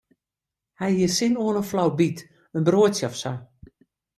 Hy hie sin oan in flaubyt, in broadsje of sa.